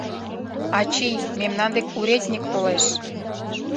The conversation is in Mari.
Ачий, мемнан дек уредньык толеш.